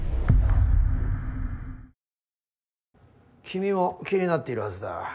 君も気になっているはずだ。